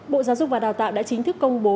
bộ giáo dục và đào tạo đã chính thức công bố